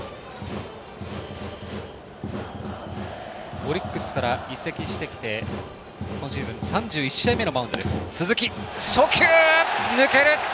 オリックスから移籍してきて今シーズン３１試合目のマウンド、鈴木。